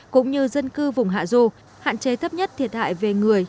cũng như dân cư vùng hạ dô hạn chế thấp nhất thiệt hại về người